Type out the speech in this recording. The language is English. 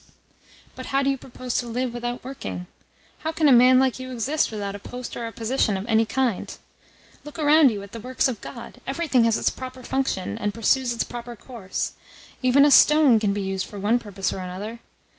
"But how do you propose to live without working? How can a man like you exist without a post or a position of any kind? Look around you at the works of God. Everything has its proper function, and pursues its proper course. Even a stone can be used for one purpose or another.